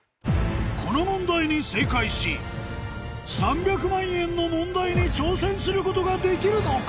この問題に正解し３００万円の問題に挑戦することができるのか？